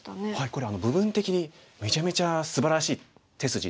これは部分的にめちゃめちゃすばらしい手筋で。